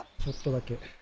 ちょっとだけ。